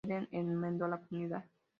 Áed enmendó a la comunidad.